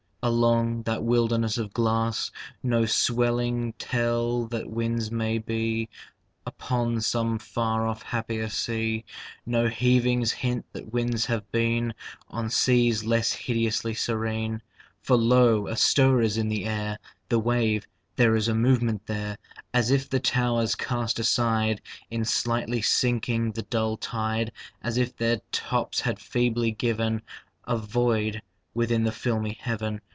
Along that wilderness of glass, No swellings tell that winds may be Upon some far off happier sea, No heavings hint that winds have been On seas less hideously serene. For lo, a stir is in the air! The wave there is a movement there! As if the towers cast aside In slightly sinking, the dull tide; As if their tops had feebly given A void within the filmy heaven.